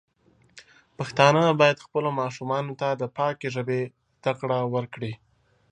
پښتانه بايد خپلو ماشومانو ته د پاکې ژبې زده کړه ورکړي.